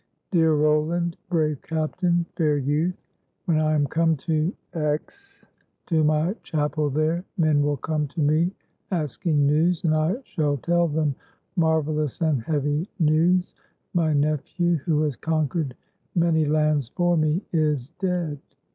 "Dear Roland, brave captain, fair youth, when I am come to Aix, to my chapel there, men will come to me asking news, and I shall tell them marvelous and heavy news: 'My nephew, who has conquered many lands for me, is dead.'